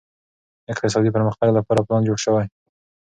د اقتصادي پرمختګ لپاره پلان جوړ شي.